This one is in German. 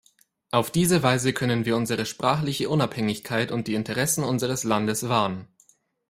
Auf diese Weise können wir unsere sprachliche Unabhängigkeit und die Interessen unseres Landes wahren.